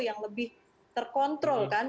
yang lebih terkontrol kan